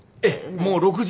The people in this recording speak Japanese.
もう６０。